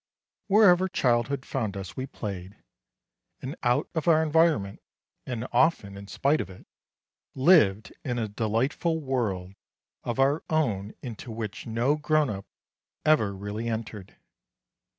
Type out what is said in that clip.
Wherever childhood found us we played, and out of our environment and often in spite of it, lived in a delightful world of our own into which no grownup ever really entered.